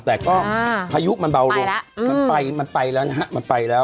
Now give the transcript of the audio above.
แต่ก็อ่าพายุมันเบาลงไปแล้วอืมมันไปมันไปแล้วนะฮะมันไปแล้ว